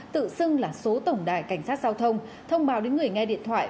tự xưng là số tổng đài cảnh sát giao thông thông báo đến người nghe điện thoại